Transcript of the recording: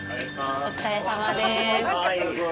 お疲れさまです。